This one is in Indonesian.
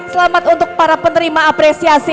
selamat untuk para penerima apresiasi